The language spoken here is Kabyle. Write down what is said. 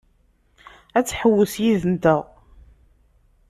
Ad tḥewwes yid-nteɣ?